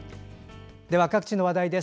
各地の話題です。